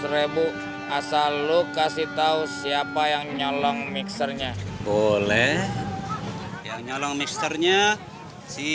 ribu asal lu kasih tahu siapa yang nyolong mixernya boleh yang nyolong mixernya si